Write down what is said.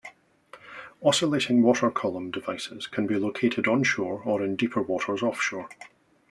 Oscillating Water Column devices can be located on shore or in deeper waters offshore.